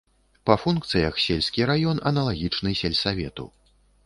Па функцыях сельскі раён аналагічны сельсавету.